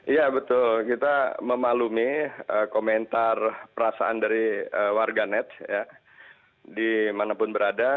iya betul kita memalumi komentar perasaan dari warga net di mana pun berada